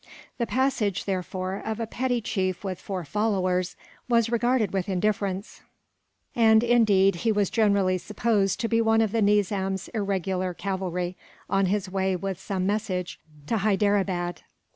The passage, therefore, of a petty chief with four followers was regarded with indifference; and indeed, he was generally supposed to be one of the Nizam's irregular cavalry, on his way with some message to Hyderabad.